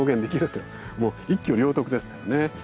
もう一挙両得ですからね。